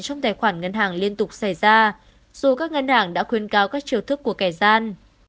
trong tài khoản ngân hàng liên tục xảy ra dù các ngân hàng đã khuyên cáo các chiều thức của kẻ gian